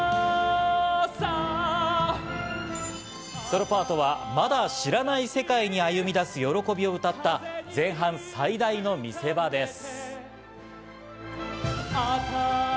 ソロパートはまだ知らない世界に歩みだす喜びを歌った前半最大の見せ場です。